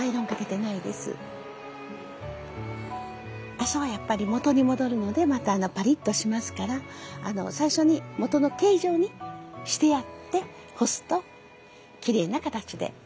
麻はやっぱり元に戻るのでまたパリッとしますから最初に元の形状にしてやって干すときれいな形で。